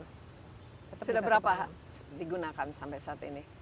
sudah berapa digunakan sampai saat ini